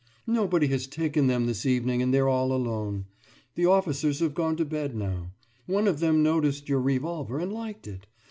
Nobody has taken them this evening and they're all alone. The officers have gone to bed now. One of them noticed your revolver and liked it.